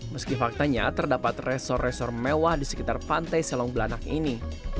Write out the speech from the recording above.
meski faktanya terdapat resor resor mewah di sekitar pantai selong belanak ini